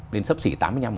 đến sấp xỉ tám mươi năm